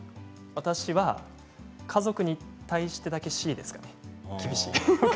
私は家族に対してだけＣですね。